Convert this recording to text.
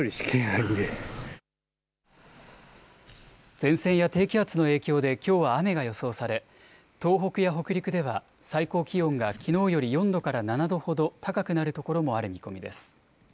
前線や低気圧の影響できょうは雨が予想され東北や北陸では最高気温がきのうより４度から７度ほど高くなるところもある見込みです。